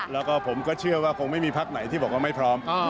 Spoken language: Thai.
แล้วก็ผมก็เชื่อว่าคงไม่มีพักไหนที่บอกว่าไม่พร้อม